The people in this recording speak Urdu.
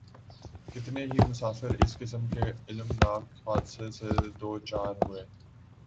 کتنے ہی مسافر اس قسم کے الم ناک حادثے سے دوچار ھوۓ